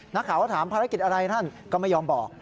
นักข่าวก็ถามภารกิจอะไรท่านก็ไม่ยอมบอก